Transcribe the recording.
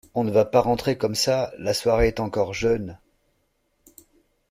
On ne va pas rentrer comme ça, la soirée est encore jeune.